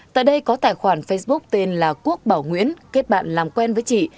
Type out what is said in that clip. tại đây có tài khoản facebook tên là quốc bảo nguyễn kết bạn làm quen với chị